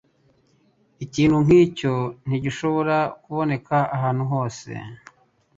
Ikintu nkicyo ntigishobora kuboneka ahantu hose.